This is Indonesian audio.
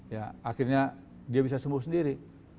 ya akhirnya dia bisa sembuh sendiri